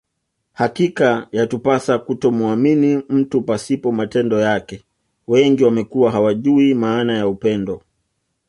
Hakika yatupasa kutomuamini mtu pasipo matendo yake wengi wamekuwa hawajui maana ya upendo